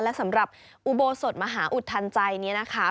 และสำหรับอุโบสถมหาอุทธันใจนี้นะคะ